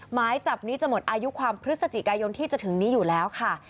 หมายจับนี้จะหมดอายุความพฤศจิกายนที่จะถึงนี้อยู่แล้วค่ะ